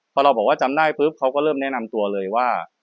พอเราบอกว่าจำได้ปุ๊บเขาก็เริ่มแนะนำตัวเลยว่า